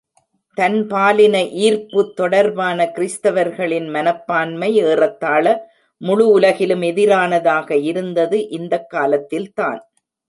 தன்பாலின ஈர்ப்பு தொடர்பான கிறிஸ்தவர்களின் மனப்பான்மை ஏறத்தாழ முழு உலகிலும் எதிரானதாக இருந்தது இந்தக் காலத்தில்தான்.